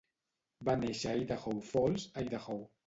Va néixer a Idaho Falls, Idaho.